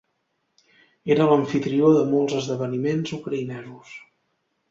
Era l'amfitrió de molts esdeveniments ucraïnesos.